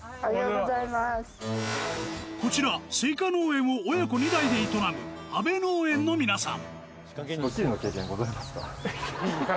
こちらスイカ農園を親子２代で営むあべ農園の皆さん